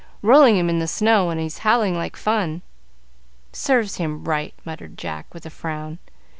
"Rolling him in the snow, and he's howling like fun." "Serves him right," muttered Jack, with a frown.